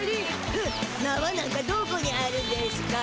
ふんなわなんかどこにあるんでしゅか？